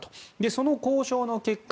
その交渉の結果